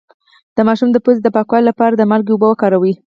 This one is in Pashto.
د ماشوم د پوزې د پاکوالي لپاره د مالګې اوبه وکاروئ